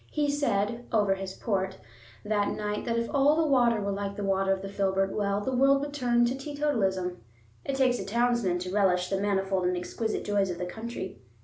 He said (over his port) that night that if all water were like the water of the filbert well the world would turn to teetotalism. It takes a townsman to relish the manifold and exquisite joys of the country.